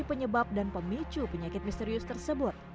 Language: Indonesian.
penyebab dan pemicu penyakit misterius tersebut